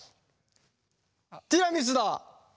ティラミスだ！